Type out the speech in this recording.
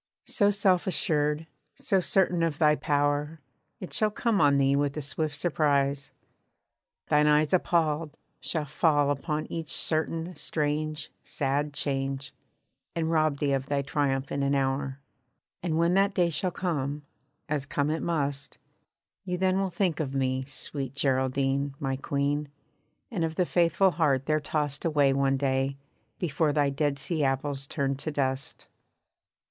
So self assured, so certain of thy power, It shall come on thee with a swift surprise. Thine eyes Appalled, shall fall upon each certain, strange, sad change, And rob thee of thy triumph in an hour. And when that day shall come, as come it must, You then will think of me, sweet Geraldine, my Queen, And of the faithful heart there tossed away one day, Before thy dead sea apples turned to dust.